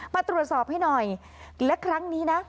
มาตรวจสอบให้หน่อยและครั้งนี้นะ